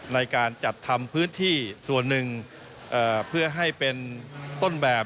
ในการจัดทำพื้นที่ส่วนหนึ่งเพื่อให้เป็นต้นแบบ